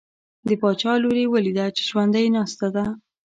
د باچا لور یې ولیده چې ژوندی ناسته ده.